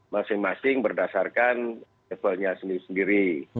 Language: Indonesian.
masing masing berdasarkan levelnya sendiri sendiri